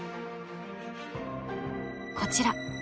こちら。